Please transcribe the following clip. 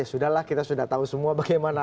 sudah lah kita sudah tahu semua bagaimana